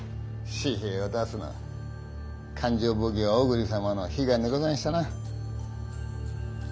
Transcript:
紙幣を出すのは勘定奉行小栗様の悲願でござんしたなぁ。